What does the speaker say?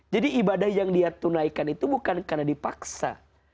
jadi ibadah yang dia tunaikan itu bukan karena dipaksa